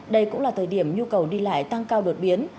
đây cũng là thời điểm nhu cầu đi lại tăng cao đột biến